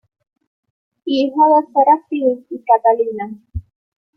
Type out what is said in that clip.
Hijo de Serafín y Catalina.